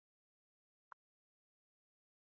لاس يې ورووړ.